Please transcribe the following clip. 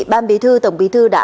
ban bí thư tổng bí thư đã